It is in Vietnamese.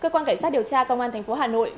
cơ quan cảnh sát điều tra công an tp hcm